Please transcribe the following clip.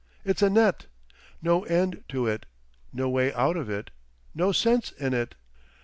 It's a net. No end to it, no way out of it, no sense in it.